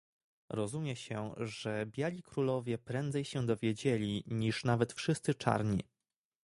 "Rozumie się, że biali królowie prędzej się dowiedzieli, niż nawet wszyscy czarni."